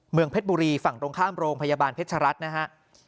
เพชรบุรีฝั่งตรงข้ามโรงพยาบาลเพชรรัฐนะฮะ